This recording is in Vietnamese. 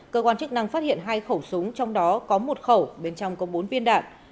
cơ quan chức năng phát hiện hai khẩu súng trong đó có một khẩu bên trong có bốn viên đạn